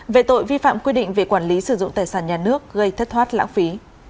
về tội vi phạm quy định về quản lý sử dụng tài sản nhà nước gây thất thoát lãng phí